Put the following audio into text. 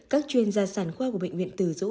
các chuyên gia sản khoa của bệnh viện từ dỗ